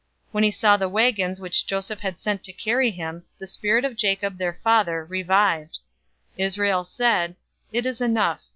When he saw the wagons which Joseph had sent to carry him, the spirit of Jacob, their father, revived. 045:028 Israel said, "It is enough.